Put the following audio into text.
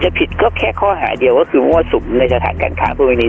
ผิดก็แค่ข้อหาเดียวก็คือมั่วสุมในสถานการค้าบริเวณนี้